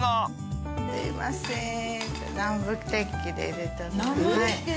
すいません。